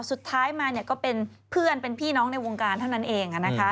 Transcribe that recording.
สุดท้ายมาก็เป็นเพื่อนเป็นพี่น้องในวงการเท่านั้นเอง